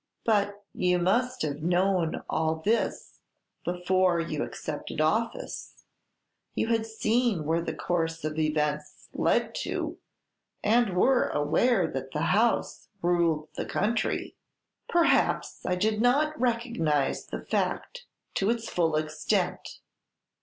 "But you must have known all this before you accepted office; you had seen where the course of events led to, and were aware that the House ruled the country." "Perhaps I did not recognize the fact to its full extent.